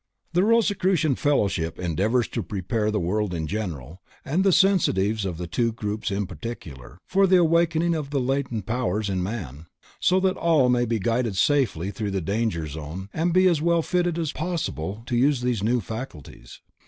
The Rosicrucian Fellowship endeavors to prepare the world in general, and the sensitives of the two groups in particular, for the awakening of the latent powers in man, so that all may be guided safely through the danger zone and be as well fitted as possible to use these new faculties.